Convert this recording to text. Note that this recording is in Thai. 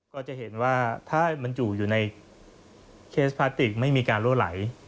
ก็จะเห็นว่าถ้ามันอยู่ในเคสพลาสติกไม่มีการลั่วไหล